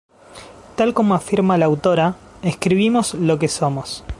Tal como afirma la autora, ""escribimos lo que somos"".